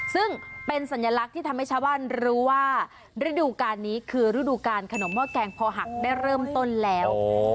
ซึ่งเป็นสัญลักษณ์ที่ทำให้ชาวบ้านรู้ว่าฤดูการนี้คือฤดูการขนมหม้อแกงพอหักได้เริ่มต้นแล้ว